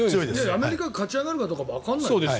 アメリカが勝ち上がるかもわからないですよ